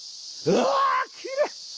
うわきれい！